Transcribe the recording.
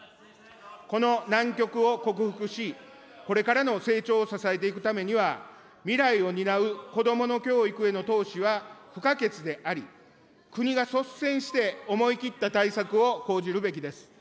この難局を克服し、これからの成長を支えていくためには、未来を担う子どもの教育への投資は不可欠であり、国が率先して思い切った対策を講じるべきです。